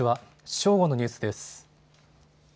正午のニュースです。